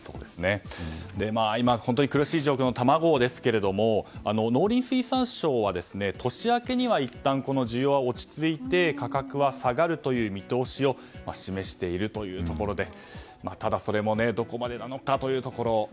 今、本当に苦しい状況の卵ですけれども農林水産省は年明けにはいったんこの需要は落ち着いて価格は下がるという見通しを示しているというところでただ、それもどこまでなのかというところ。